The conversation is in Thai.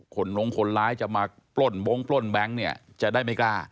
คนร้ายจะมาปล้นโนะปล้นแบ๊งก์นี้จะได้ไม่กล้า